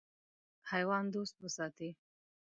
حیوان دوست وساتئ.